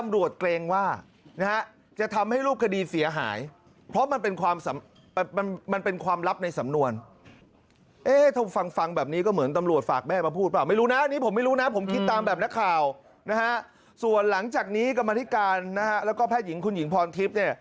ส่วนหลังจากนี้กรรมธิการนะฮะแล้วก็แพทย์หญิงคุณหญิงพรทิพย์เนี่ย